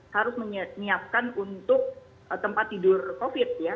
harus menyiapkan untuk tempat tidur covid ya